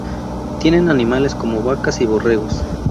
Tienen animales como vacas y borregos.